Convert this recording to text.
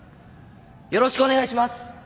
よろしくお願いします。